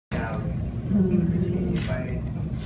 มีแต่หุ้มที่ผู้โดยใจจากให้กับลูก